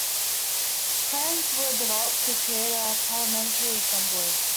Plans were developed to create a parliamentary assembly.